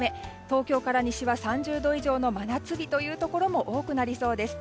東京から西は３０度以上の真夏日というところも多くなりそうです。